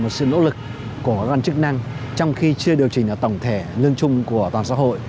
từ nỗ lực của các con chức năng trong khi chưa điều chỉnh ở tổng thể lương chung của toàn xã hội